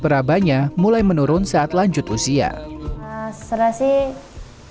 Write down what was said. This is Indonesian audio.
perlu latihan khusus bagi tunanetra yang kehilangan penglihatan saat sudah dewasa